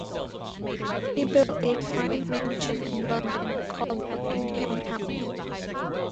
He built a fine mansion in London called Buckingham House.